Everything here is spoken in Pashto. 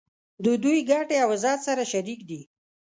د دوی ګټې او عزت سره شریک دي.